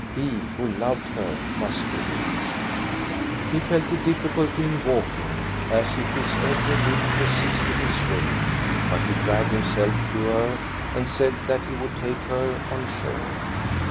He, who loved her, must do it He felt a difficulty in walking, as if his every limb resisted his will, but he dragged himself to her and said that he would take her on shore.